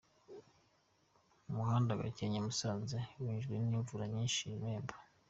Umuhanda Gakenke-Musanze wangijwe n'imvura nyinshi I Nemba.